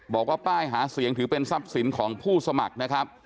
บอกว่าป้ายหาเสียงถือเป็นทรัพย์สินของผู้สมัครนะครับ